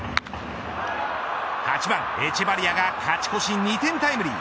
８番エチェバリアが勝ち越し２点タイムリー。